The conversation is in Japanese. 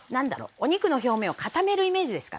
お肉の表面を固めるイメージですかね。